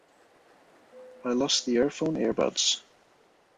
I lost the earphone earbuds.